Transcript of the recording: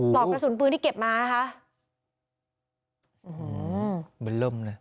อกกระสุนปืนที่เก็บมานะคะอื้อหือมันเริ่มเลย